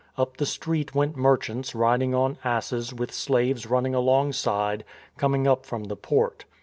Up the street went merchants riding on asses with slaves running alongside, coming up from the port.